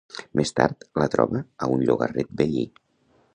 Més tard, la troba a un llogarret veí.